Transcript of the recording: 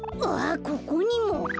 あっここにも。